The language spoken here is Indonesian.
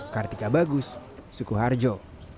kartika bagus sukoharjo